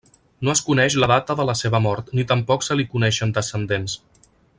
No es coneix la data de la seva mort ni tampoc se li coneixen descendents.